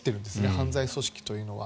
犯罪組織というのは。